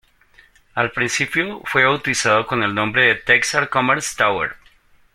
Al principio fue bautizado con el nombre de "Texas Commerce Tower".